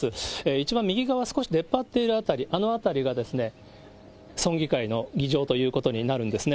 一番右側、少し出っ張っている辺り、あの辺りが村議会の議場ということになるんですね。